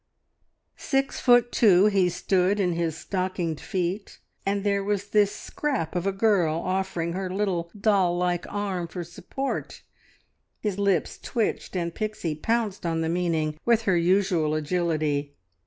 Six foot two he stood in his stockinged feet, and there was this scrap of a girl offering her little doll like arm for support! His lips twitched, and Pixie pounced on the meaning with her usual agility.